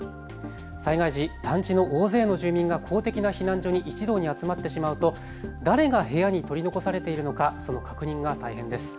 災害時、団地の大勢の住民が公的な避難所に一同に集まってしまうと誰が部屋に取り残されているのか、その確認が大変です。